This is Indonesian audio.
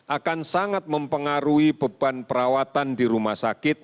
akan sangat mempengaruhi beban perawatan di rumah sakit